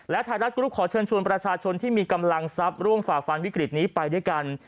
และไทยรัฐกรุ๊ปขอเชิญชวนประชาชนที่มีกำลังทรัพย์ร่วมฝ่าฟันวิกฤตนี้ไปด้วยกัน